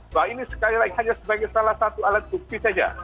bahwa ini sekali lagi hanya sebagai salah satu alat bukti saja